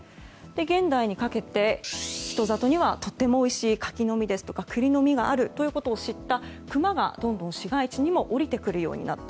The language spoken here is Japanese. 現代にかけて人里にはとてもおいしい柿の実や栗の実があるということを知ったクマがどんどん市街地にも降りてくるようになった。